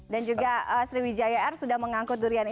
dan juga sriwijaya air sudah mengangkut durian ini